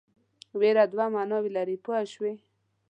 وېره دوه معناوې لري پوه شوې!.